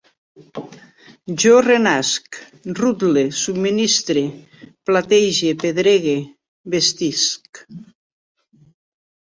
Jo renasc, rutle, subministre, platege, pedregue, vestisc